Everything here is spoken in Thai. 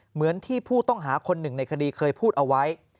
เหมือนที่ผู้ต้องหาคนหนึ่งในคดีเคยพูดเอาไว้